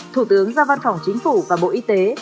thủ tướng ra văn phòng chính phủ và bộ y tế